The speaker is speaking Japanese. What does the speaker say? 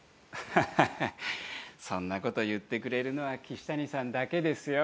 そんなこと言ってくれるのはキシタニさんだけですよ。